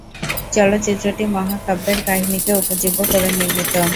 চলচ্চিত্রটি মহাকাব্যের কাহিনীকে উপজীব্য করে নির্মিত।